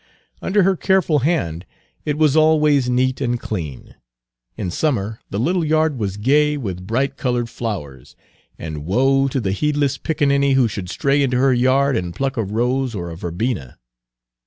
Under her careful hand it was always neat and clean; in summer the little yard was gay with bright colored flowers, and woe to the heedless pickaninny who should stray into her yard and pluck a rose or a verbena!